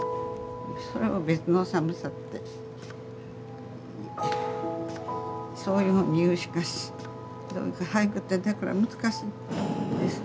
それは別の寒さってそういうふうに言うしか俳句ってだから難しいんです。